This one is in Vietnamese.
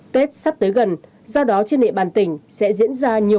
tết sắp tới gần do đó trên địa bàn tỉnh sẽ diễn ra nhiều